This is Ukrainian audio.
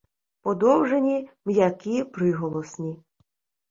Подовжені м'які приголосні